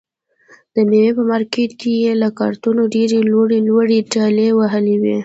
د مېوې په مارکېټ کې یې له کارتنو ډېرې لوړې لوړې ټلې وهلې وي.